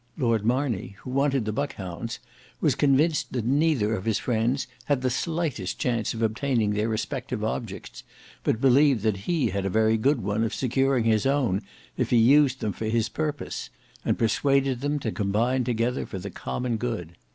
Lord Marney, who wanted the Buckhounds, was convinced that neither of his friends had the slightest chance of obtaining their respective objects, but believed that he had a very good one of securing his own if he used them for his purpose, and persuaded them to combine together for the common good.